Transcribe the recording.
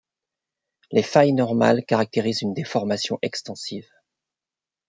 Les failles normales caractérisent une déformation extensive.